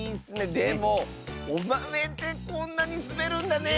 でもおまめってこんなにすべるんだね！